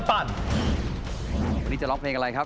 วันนี้จะร้องเพลงอะไรครับ